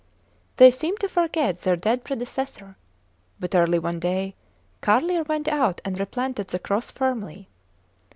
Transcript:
They seemed to forget their dead predecessor; but, early one day, Carlier went out and replanted the cross firmly.